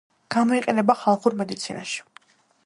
გამოიყენება ხალხურ მედიცინაში.